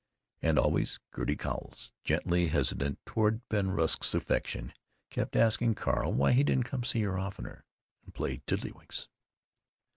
And always Gertie Cowles, gently hesitant toward Ben Rusk's affection, kept asking Carl why he didn't come to see her oftener, and play tiddledywinks.